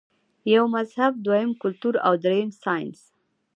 يو مذهب ، دويم کلتور او دريم سائنس -